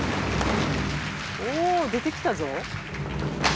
おお出てきたぞ。